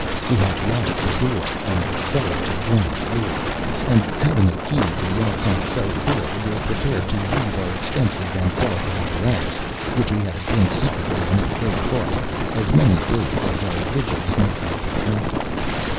We had locked the door from the cellar to the ground floor; and having a key to the outside cellar door, were prepared to leave our expensive and delicate apparatus which we had obtained secretly and at great cost as many days as our vigils might be protracted.